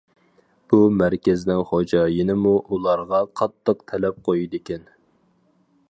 بۇ مەركەزنىڭ خوجايىنىمۇ ئۇلارغا قاتتىق تەلەپ قويىدىكەن.